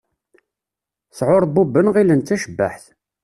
Sɛurbuben, ɣillen d tacbaḥt.